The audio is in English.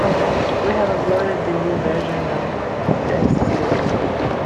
We have uploaded the new version to the Dev server.